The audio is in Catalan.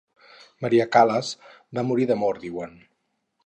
Maria Callas va morir d'amor, diuen.